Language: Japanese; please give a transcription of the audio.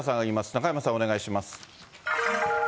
中山さん、お願いします。